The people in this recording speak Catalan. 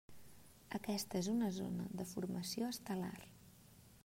Aquesta és una zona de formació estel·lar.